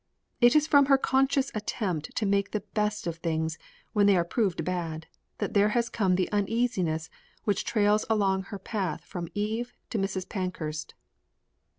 It is from her conscious attempt to make the best of things when they are proved bad, that there has come the uneasiness which trails along her path from Eve to Mrs. Pankhurst.